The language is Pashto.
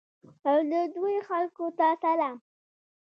او د دوی خلکو ته سلام.